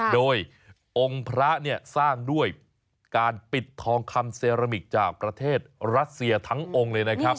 โดยองค์พระเนี่ยสร้างด้วยการปิดทองคำเซรามิกจากประเทศรัสเซียทั้งองค์เลยนะครับ